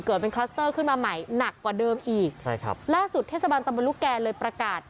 เกิดเป็นคลัสเตอร์ขึ้นมาใหม่หนักกว่าเดิมอีกใช่ครับล่าสุดเทศบาลตะบนลูกแก่เลยประกาศ